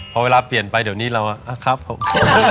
พอเวลาเปลี่ยนไปเดี๋ยวนี้เราอะครับโอเค